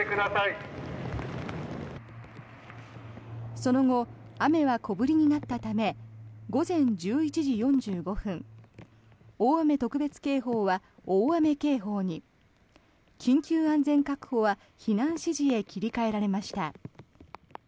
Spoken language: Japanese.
その後雨は小降りになったため午前１１時４５分大雨特別警報は大雨警報に緊急安全確保は避難指示へ切り替えられました。